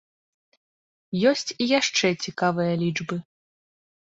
Ёсць і яшчэ цікавыя лічбы.